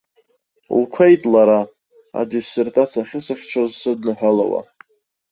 Лқәеит лара, адиссертациа ахьысыхьчаз сыдныҳәалауа.